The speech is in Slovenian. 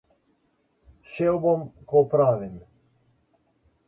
Šel bom, ko opravim.